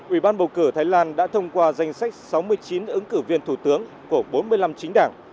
ủy ban bầu cử thái lan đã thông qua danh sách sáu mươi chín ứng cử viên thủ tướng của bốn mươi năm chính đảng